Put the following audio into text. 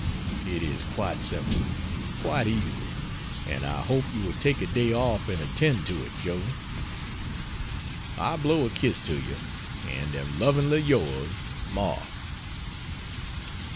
It is quite simple, quite easy, and I hope you will take a day off and attend to it, Joe. I blow a kiss to you, and am Lovingly Yours, MARK.